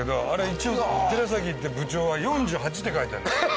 一応寺崎って部長は４８って書いてんの。